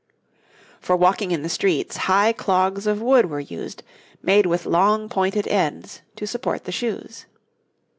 For walking in the streets high clogs of wood were used, made with long pointed ends to support the shoes.